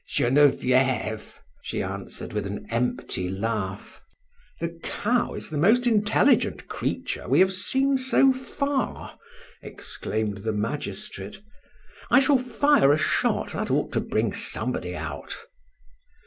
"Genevieve," she answered, with an empty laugh. "The cow is the most intelligent creature we have seen so far," exclaimed the magistrate. "I shall fire a shot, that ought to bring somebody out."